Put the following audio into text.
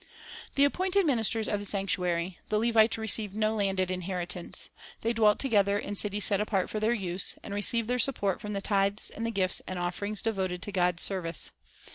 2 The appointed ministers of the sanctuary, the Levites received no landed inheritance; they dwelt together in cities set apart for their use, and received their support from the tithes and the gifts and offerings devoted to God's service.